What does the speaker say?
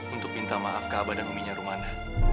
untuk minta maaf ke aba dan uminya rumana